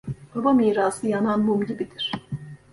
Baba mirası yanan mum gibidir.